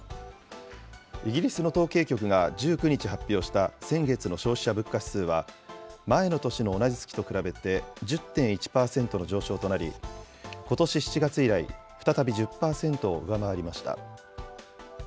イギリスの統計局が１９日発表した先月の消費者物価指数は、前の年の同じ月と比べて１０．１％の上昇となり、ことし７月以来、再び１０％を上回りました。